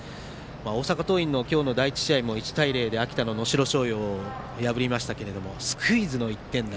大阪桐蔭の今日の第１試合も１対０で秋田の能代松陽を破りましたけどスクイズの１点。